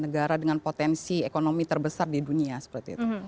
negara dengan potensi ekonomi terbesar di dunia seperti itu